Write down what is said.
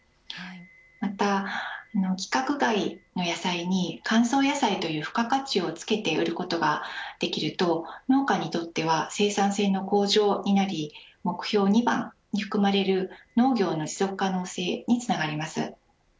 また、規格外の野菜に乾燥野菜という付加価値をつけて売ることができると農家にとっては生産性の向上になり目標２番に含まれる農業の持続可能性につながります。